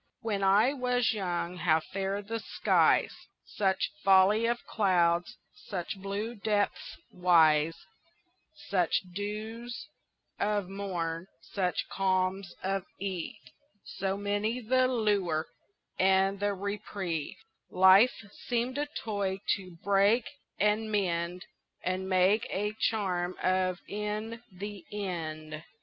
WHEN I was young how fair the skies, Such folly of cloud, such blue depths wise, Such dews of morn, such calms of eve, So many the lure and the reprieve Life seemed a toy to break and mend And make a charm of in the end.